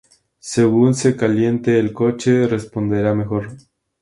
Según se caliente el coche responderá mejor.